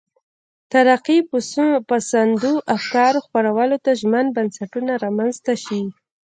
ترقي پسندو افکارو خپرولو ته ژمن بنسټونه رامنځته شي.